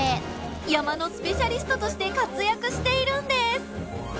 山のスペシャリストとして活躍しているんです。